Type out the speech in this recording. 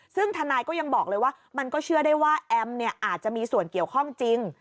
ซึ่งทนายก็ยังบอกเลยว่ามันก็เชื่อได้ว่าแอมอาจจะมีส่วนเกี่ยวข้องจริง